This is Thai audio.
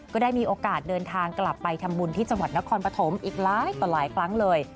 ก็ได้มีโอกาสเดินทางกลับไปทำบุญที่จังหวัดนครปฐมอีกหลายต่อหลายครั้งเลย